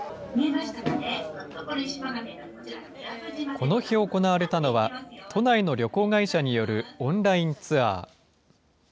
この日行われたのは、都内の旅行会社によるオンラインツアー。